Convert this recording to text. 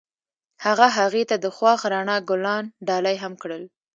هغه هغې ته د خوښ رڼا ګلان ډالۍ هم کړل.